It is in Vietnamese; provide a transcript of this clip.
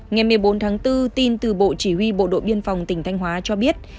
ngày một mươi bốn tháng bốn tin từ bộ chỉ huy bộ đội biên phòng tỉnh thanh hóa cho biết